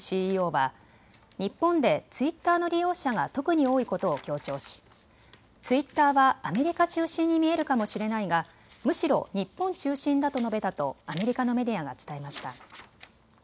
ＣＥＯは日本でツイッターの利用者が特に多いことを強調しツイッターはアメリカ中心に見えるかもしれないがむしろ日本中心だと述べたとアメリカのメディアが伝えました。